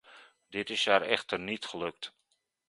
Dit is haar echter niet gelukt.